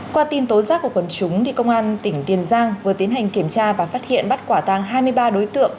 qua tin tố giác của quần chúng công an tỉnh tiền giang vừa tiến hành kiểm tra và phát hiện bắt quả tàng hai mươi ba đối tượng